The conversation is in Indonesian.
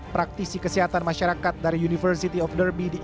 praktisi kesehatan masyarakat dari university of derby di indonesia